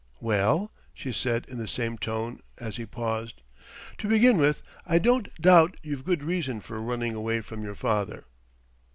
"Well?" she said in the same tone, as he paused. "To begin with I don't doubt you've good reason for running away from your father."